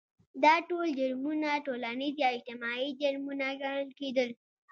دا ټول جرمونه ټولنیز یا اجتماعي جرمونه ګڼل کېدل.